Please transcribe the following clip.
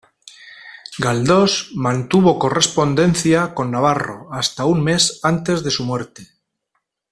Galdós mantuvo correspondencia con Navarro hasta un mes antes de su muerte.